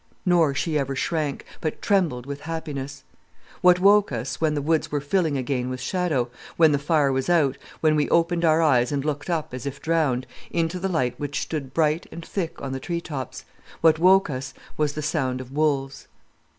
Nor she ever shrank, but trembled with happiness. "What woke us, when the woods were filling again with shadow, when the fire was out, when we opened our eyes and looked up as if drowned, into the light which stood bright and thick on the tree tops, what woke us was the sound of wolves...."